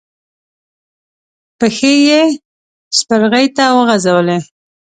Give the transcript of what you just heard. پښې يې سپرغې ته وغزولې.